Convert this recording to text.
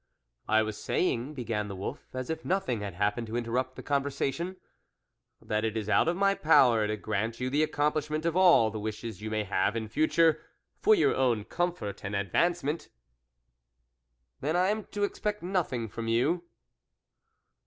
" I was say ing," began the wolf, as if nothing had happened to interrupt the conversation, " that it is out of my power to grant you the accomplishment of all the wishes you may have in future for your own comfort and advancement." " Then I am to expect nothing from you